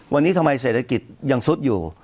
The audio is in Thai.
วันนี้ทำไมเศรษฐกิจยังซุดอยู่